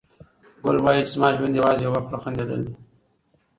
ګل وايي چې زما ژوند یوازې یوه خوله خندېدل دي.